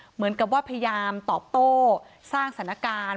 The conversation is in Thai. เหมือนกับว่าพยายามตอบโต้สร้างสถานการณ์